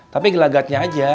tapi gelagatnya saja